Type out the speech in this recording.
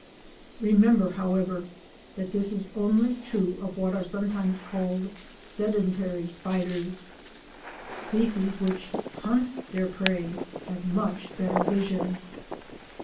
Remember, however, that this is only true of what are sometimes called sedentary spiders; species which hunt their prey have much better vision.